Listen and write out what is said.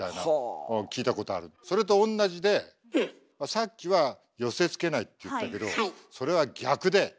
さっきは寄せつけないって言ったけどそれは逆で。